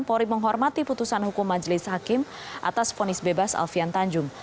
polri menghormati putusan hukum majelis hakim atas fonis bebas alfian tanjung